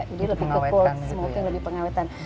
jadi lebih kekul semoga lebih pengawetan